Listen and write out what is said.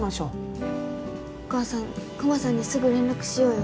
お母さんクマさんにすぐ連絡しようよ。